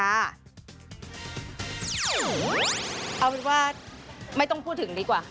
เอาเป็นว่าไม่ต้องพูดถึงดีกว่า